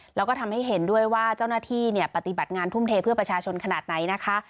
แล้วก็ทำให้เห็นด้วยว่าเจ้าหน้าที่ปฏิบัติงานทุ่มเทเพื่อประชาชนขนาดไหนนะคะ